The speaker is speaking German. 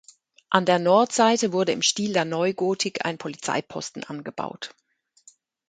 An der Nordseite wurde im Stil der Neugotik ein Polizeiposten angebaut.